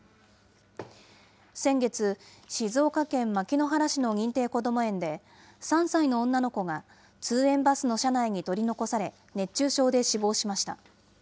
先月、静岡県牧之原市の認定こども園で、３歳の女の子が、通園バスの車内に取り残され、熱中症で死亡しました。